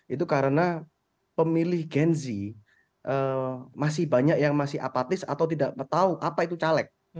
itu karena pemilih gen z masih banyak yang masih apatis atau tidak tahu apa itu caleg